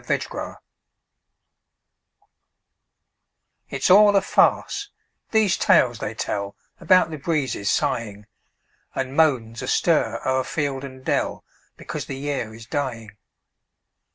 MERRY AUTUMN It's all a farce, these tales they tell About the breezes sighing, And moans astir o'er field and dell, Because the year is dying.